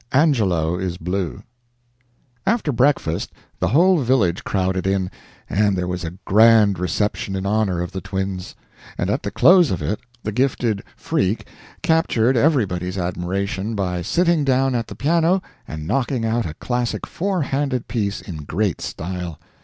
ANGELO IS BLUE [After breakfast the whole village crowded in, and there was a grand reception in honor of the twins; and at the close of it the gifted "freak" captured everybody's admiration by sitting down at the piano and knocking out a classic four handed piece in great style.